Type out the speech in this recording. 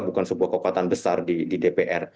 bukan sebuah kekuatan besar di dpr